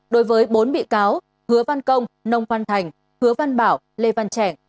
đối với bốn bị cáo hứa văn công nông văn thành hứa văn bảo lê văn trẻ